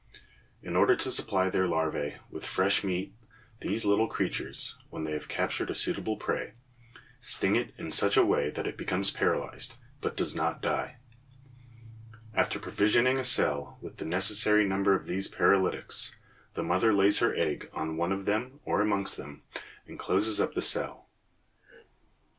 In order to supply their larvæ with "fresh meat" these little creatures, when they have captured a suitable prey, sting it in such a way that it becomes paralyzed, but does not die; after provisioning a cell with the necessary number of these paralytics, the mother lays her egg on one of them or amongst them, and closes up the cell.